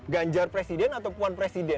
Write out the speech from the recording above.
ganjar presiden atau puan presiden